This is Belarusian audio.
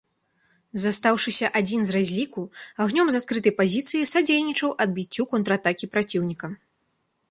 Застаўшыся адзін з разліку, агнём з адкрытай пазіцыі садзейнічаў адбіццю контратакі праціўніка.